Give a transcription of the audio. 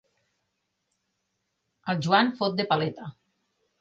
En Joan fot de paleta.